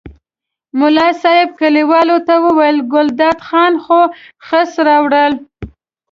ملا صاحب کلیوالو ته وویل ګلداد خان خو خس راوړل.